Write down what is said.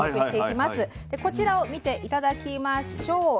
でこちらを見て頂きましょう。